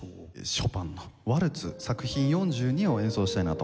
ショパンの『ワルツ作品４２』を演奏したいなと思っております。